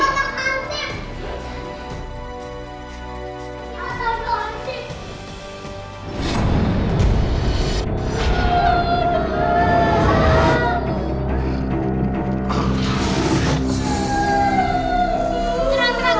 ini aku pak rt